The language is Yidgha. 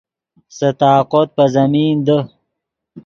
سے طاقوت پے زمین دے